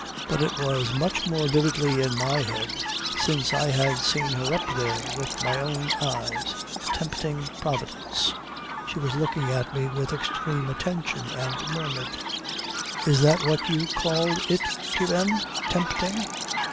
But it was much more vividly in my head since I had seen her up there with my own eyes, tempting Providence. She was looking at me with extreme attention, and murmured: "Is that what you called it to them? Tempting ...